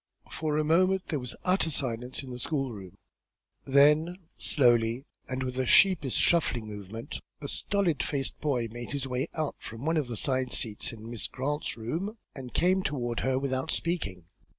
For a moment there was an utter silence in the school room. Then, slowly, and with a sheepish shuffling movement, a stolid faced boy made his way out from one of the side seats in Miss Grant's room, and came toward her without speaking.